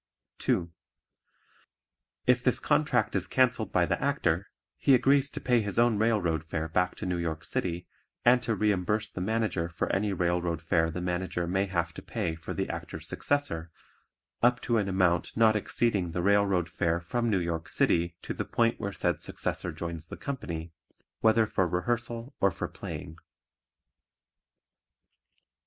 (2) If this contract is cancelled by the Actor, he agrees to pay his own railroad fare back to New York City and to reimburse the Manager for any railroad fare the Manager may have to pay for the Actor's successor up to an amount not exceeding the railroad fare from New York City to the point where said successor joins the company, whether for rehearsal or for playing.